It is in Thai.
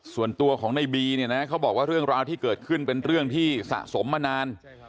ส่วนตัวของในบีเนี่ยนะเขาบอกว่าเรื่องราวที่เกิดขึ้นเป็นเรื่องที่สะสมมานาน